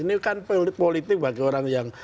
ini kan politik bagi orang yang